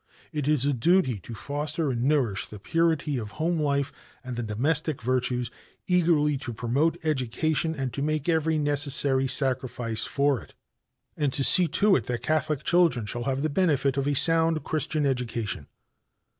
It is a duty to foster and nourish the purity of home life and the domestic virtues, eagerly to promote education and to make every necessary sacrifice for it, and to see to it that Catholic children shall have the benefit of a sound Christian education.